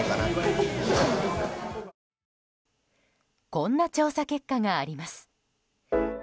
こんな調査結果があります。